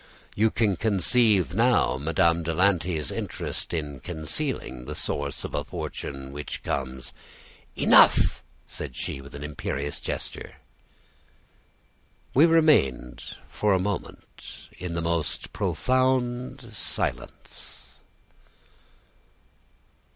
You can conceive now Madame de Lanty's interest in concealing the source of a fortune which comes " "Enough!" said she, with an imperious gesture. We remained for a moment in the most profound silence.